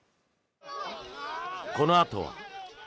このあとは。